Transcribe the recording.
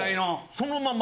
そのまま。